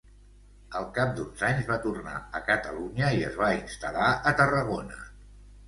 Al cap d'uns anys va tornar a Catalunya i es va instal·lar a Tarragona.